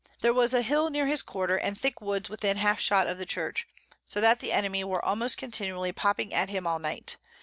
There was a Hill near his Quarter, and thick Woods within half Shot of the Church; so that the Enemy were almost continually popping at him all Night.